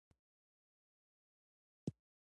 راشئ چي د پښتون ژغورني غورځنګ ملاتړ په ډاګه وکړو.